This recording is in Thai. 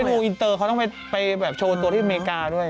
แต่นี่คือเขาเป็นมุงอินเตอร์เขาต้องไปโชว์ตัวที่อเมริกาด้วย